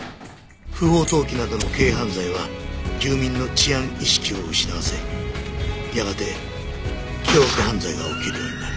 不法投棄などの軽犯罪は住民の治安意識を失わせやがて凶悪犯罪が起きるようになる。